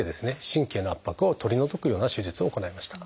神経の圧迫を取り除くような手術を行いました。